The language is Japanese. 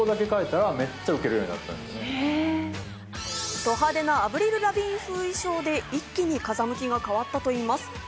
ど派手なアヴリル・ラヴィーン風衣装で一気に風向きが変わったといいます。